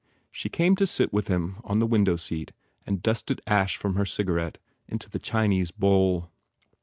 She came to sit with him on the window seat and dusted ash from her cigarette into the Chinese bowl.